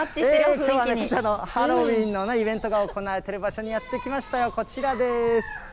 私はハロウィーンのイベントが行われている場所にやって来ましたよ、こちらです。